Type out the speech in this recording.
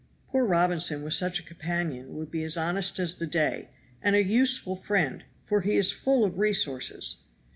Poor Robinson with such a companion would be as honest as the day, and a useful friend, for he is full of resources.